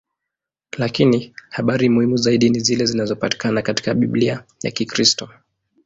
Lakini habari muhimu zaidi ni zile zinazopatikana katika Biblia ya Kikristo.